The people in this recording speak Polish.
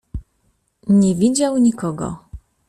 "Nie widział nikogo."